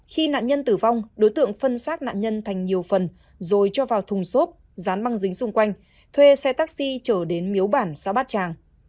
khi nạn nhân tử vong đối tượng phân xác nạn nhân thành nhiều phần rồi cho vào thùng xốp dán băng dính xung quanh thuê xe taxi trở đến miếu bản xã bát tràng